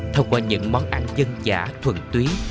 thông qua những món ảnh dân chả thuần túy